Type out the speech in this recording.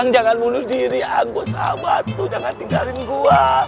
ang jangan bunuh diri an gua sama tuh jangan tinggalin gua